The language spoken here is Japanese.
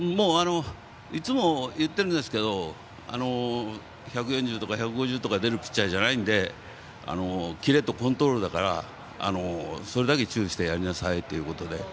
いつも言っているんですけど１４０とか１５０とか出るピッチャーじゃないのでキレとコントロールだからそれだけに注意してやりなさいということで。